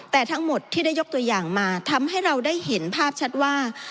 แต่ทั้งหมดที่ได้ยกตัวอย่างมาทำให้เราได้เห็นภาพชัดว่า